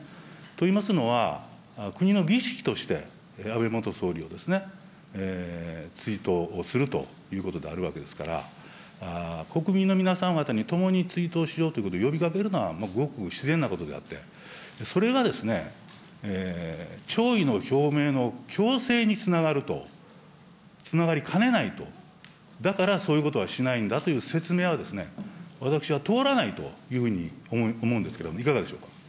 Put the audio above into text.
といいますのは、国の儀式として、安倍元総理を追悼するということであるわけですから、国民の皆さん方に共に追悼しようと呼びかけるのはごく自然なことであって、それは弔意の表明の強制につながると、つながりかねないと、だから、そういうことはしないんだという説明は、私は通らないというふうに思うんですけど、いかがでしょうか。